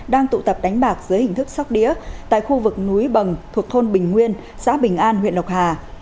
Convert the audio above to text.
đang tụ tập đánh bạc dưới hình thức sóc đĩa tại khu vực núi bằng thuộc thôn bình nguyên xã bình an huyện lộc hà